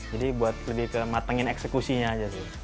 jadi buat lebih ke matengin eksekusinya aja sih